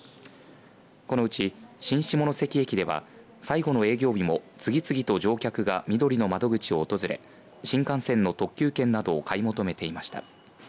このうち新下関駅では最後の営業日も次々と乗客がみどりの窓口を訪れ新幹線の特急券などを買い求めていました。